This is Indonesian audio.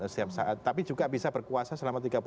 setiap saat tapi juga bisa berkuasa selama